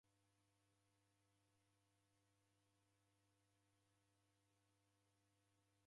Simanyireghe ngera oko nandenyi